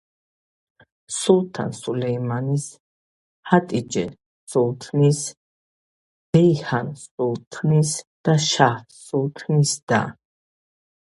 სულთან სულეიმანის, ჰატიჯე სულთნის, ბეიჰან სულთნის და შაჰ სულთნის და.